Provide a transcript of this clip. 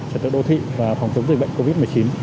trật tự đô thị và phòng chống dịch bệnh covid một mươi chín